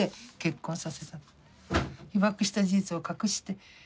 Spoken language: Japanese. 被爆した事実を隠して。